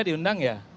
p tiga diundang ya